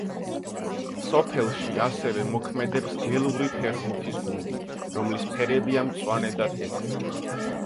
სოფელში, ასევე, მოქმედებს გელური ფეხბურთის გუნდი, რომლის ფერებია მწვანე და თეთრი.